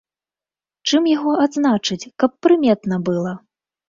Чым яго адзначыць, каб прыметна была?